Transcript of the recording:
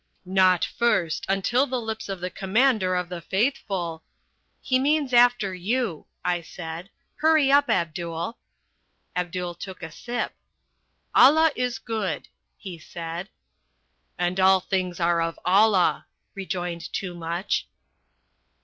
"Not first, until the lips of the Commander of the Faithful " "He means 'after you,'" I said. "Hurry up, Abdul." Abdul took a sip. "Allah is good," he said. "And all things are of Allah," rejoined Toomuch.